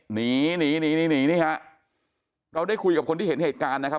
หนีหนีหนีนี่หนีนี่ฮะเราได้คุยกับคนที่เห็นเหตุการณ์นะครับ